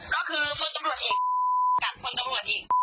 ก็คือว่า